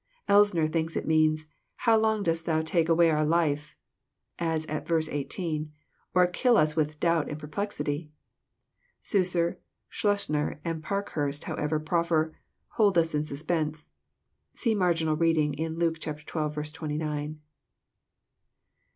" Eisner thinks it means, " How long dost Thou take away our life, (as at verse eighteen,) or kill us with doubt and perplexity ?" Sulcer, Schleusner, and Parkhurst, however, prefer, "hold us in suspense." (See marginal reading in Luke xii. 29.) llf. ..